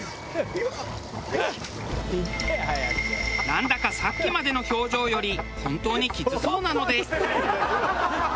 なんだかさっきまでの表情より本当にきつそうなので。